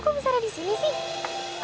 kalau misalnya di sini sih